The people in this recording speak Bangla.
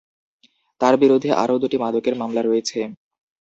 তাঁর বিরুদ্ধে আরও দুটি মাদকের মামলা রয়েছে।